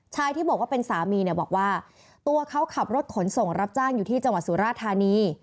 ที่บอกว่าเป็นสามีเนี่ยบอกว่าตัวเขาขับรถขนส่งรับจ้างอยู่ที่จังหวัดสุราธานี